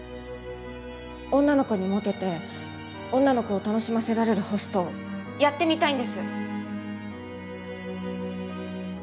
女の子にモテて女の子を楽しませられるホストやってみたいんです。